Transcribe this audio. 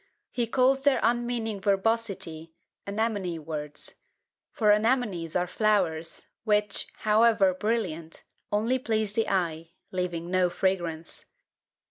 He calls their unmeaning verbosity "anemone words;" for anemonies are flowers, which, however brilliant, only please the eye, leaving no fragrance.